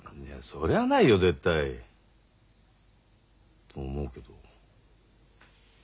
そりゃないよ絶対。と思うけど。